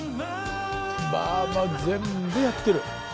まあまあ全部やってる。